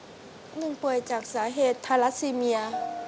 หนึ่งป่วยจากสาเหตุทารัสซีเมีย